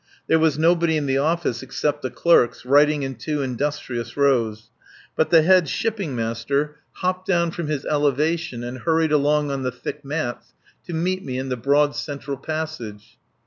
There was nobody in the office except the clerks, writing in two industrious rows. But the head Shipping Master hopped down from his elevation and hurried along on the thick mats to meet me in the broad central passage.